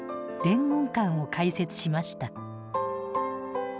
「伝言館」を開設しました。